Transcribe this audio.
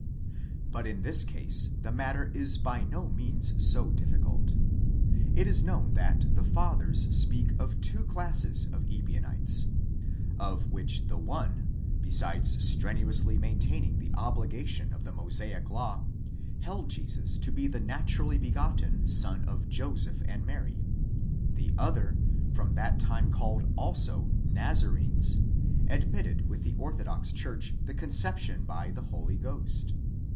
But in this case the matter is by no means so difficult. It is known that the Fathers speak of two classes of Ebionites, of which the one, besides strenuously maintaining the obligation of the Mosaic law, held Jesus to be the naturally begotten Son of Joseph and Mary; the other, from that time called also Nazarenes, admitted with the orthodox church the conception by the Holy Ghost.